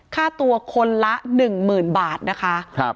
ค่าตัวคนละหนึ่งหมื่นบาทนะคะ